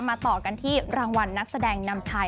ต่อกันที่รางวัลนักแสดงนำชัย